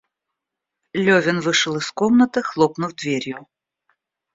Левин вышел из комнаты, хлопнув дверью.